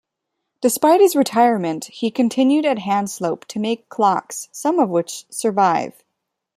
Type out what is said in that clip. Despite his retirement, he continued at Hanslope to make clocks, some of which survive.